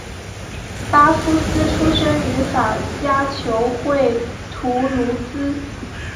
巴夫斯出身于法甲球会图卢兹。